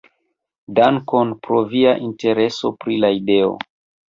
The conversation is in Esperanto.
Dankon pro via intereso pri la ideo!